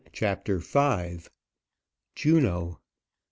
CHAPTER V. JUNO.